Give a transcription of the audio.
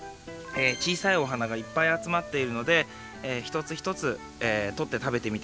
ちいさいお花がいっぱいあつまっているのでひとつひとつとって食べてみてください。